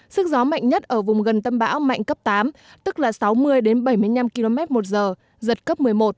sức gió mạnh nhất ở vùng gần tâm bão mạnh cấp tám tức là sáu mươi bảy mươi năm km một giờ giật cấp một mươi một